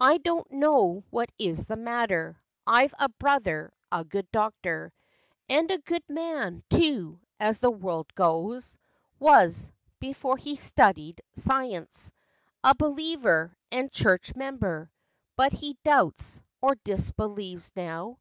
I do n't know what is the matter; I've a brother, a good doctor, And good man, too, as the world goes; Was—before he studied science— A believer, and church member; But he doubts, or disbelieves, now.